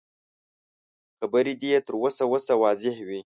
خبرې دې يې تر وسه وسه واضح وي.